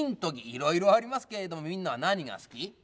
いろいろありますけれどもみんなはなにがすき？